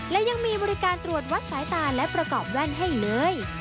และยังมีบริการตรวจวัดสายตาและประกอบแว่นให้เลย